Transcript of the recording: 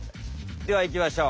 ではいきましょう。